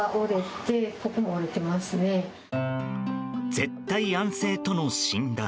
絶対安静との診断。